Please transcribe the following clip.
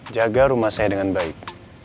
jaga rumah saya dengan baik